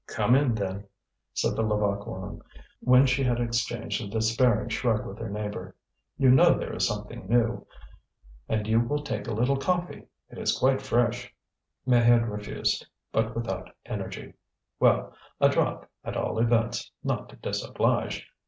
"Come in, then," said the Levaque woman, when she had exchanged a despairing shrug with her neighbour. "You know, there is something new. And you will take a little coffee. It is quite fresh." Maheude refused, but without energy. Well! a drop, at all events, not to disoblige.